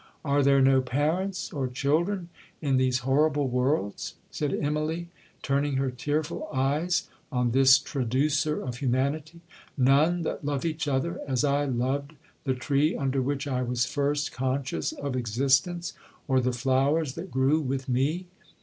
'—'Are there no parents or children in these horrible worlds?' said Immalee, turning her tearful eyes on this traducer of humanity; 'none that love each other as I loved the tree under which I was first conscious of existence, or the flowers that grew with me?'